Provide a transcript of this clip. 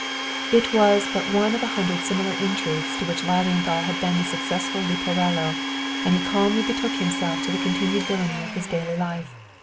It was but one of a hundred similar intrigues to which Lilienthal had been the successful Leporello, and he calmly betook himself to the continued villainy of his daily life.